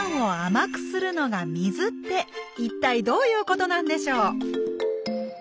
一体どういうことなんでしょう